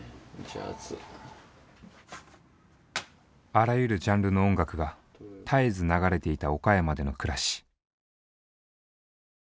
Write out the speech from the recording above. あらゆるジャンルの音楽が絶えず流れていた岡山での暮らし。